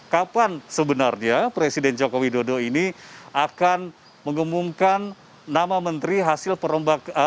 kapan sebenarnya presiden joko widodo ini akan mengumumkan nama menteri hasil perombakan